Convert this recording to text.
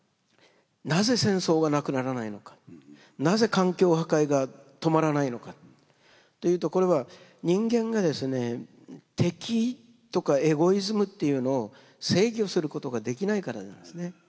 なぜ環境破壊が止まらないのか。というとこれは人間がですね敵意とかエゴイズムっていうのを制御することができないからなんですね。